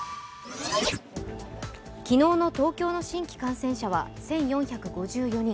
昨日の東京の新規感染者は１４５４人。